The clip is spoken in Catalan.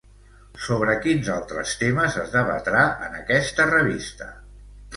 Sobre quins altres temes es debatrà en aquesta revista?